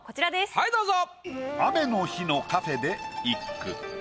はいどうぞ。